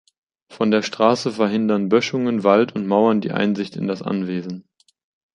Von der Strasse verhindern Böschungen, Wald und Mauern die Einsicht in das Anwesen.